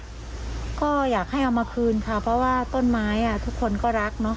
ก็อยากให้เอามาคืนค่ะเพราะว่าต้นไม้ทุกคนก็รักเนอะ